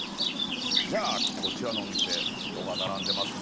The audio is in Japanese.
じゃあこちらのお店人が並んでますね。